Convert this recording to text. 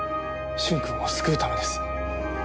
駿君を救うためです。